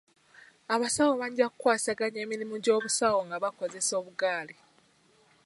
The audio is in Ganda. Abasawo bajja ku kwasaganya emirimu gy'obusawo nga bakozesa obuggaali.